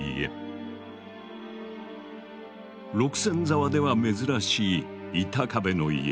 沢では珍しい板壁の家。